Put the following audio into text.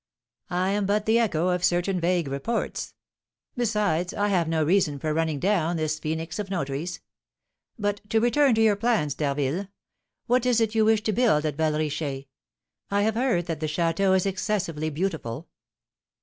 "I am but the echo of certain vague reports; besides, I have no reason for running down this phoenix of notaries. But to return to your plans, D'Harville, what is it you wish to build at Val Richer? I have heard that the château is excessively beautiful."